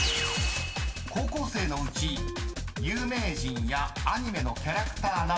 ［高校生のうち有名人やアニメのキャラクターなど］